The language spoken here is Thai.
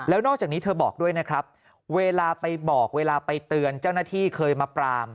แล้วนอกจากนี้เธอบอกด้วยนะครับเวลาไปบอกเวลาไปเตือนเจ้าหน้าที่เคยมาปราม